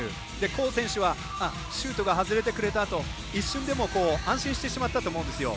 コー選手はシュートが外れてくれたと一瞬でも安心してしまったと思うんですよ。